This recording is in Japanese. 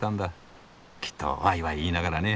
きっとワイワイ言いながらね。